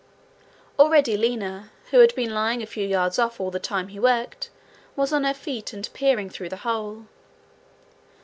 Already Lina, who had been lying a few yards off all the time he worked, was on her feet and peering through the hole.